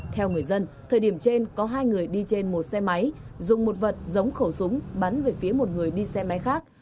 theo người dân thời điểm trên có hai người đi trên một xe máy dùng một vật giống khẩu súng bắn về phía một người đi xe máy khác